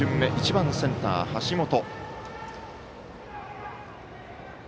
１番センター、橋本。